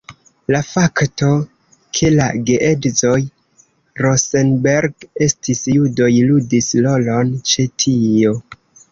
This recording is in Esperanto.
La fakto ke la geedzoj Rosenberg estis judoj, ludis rolon ĉe tio.